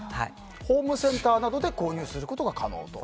ホームセンターなどで購入することが可能と。